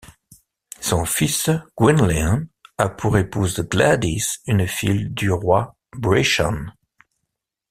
Son fils Gwynllyw a pour épouse Gladys une fille du roi Brychan.